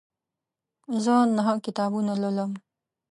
زه نهه کتابونه لولم.